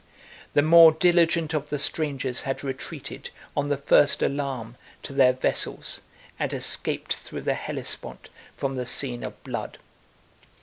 The more diligent of the strangers had retreated, on the first alarm, to their vessels, and escaped through the Hellespont from the scene of blood.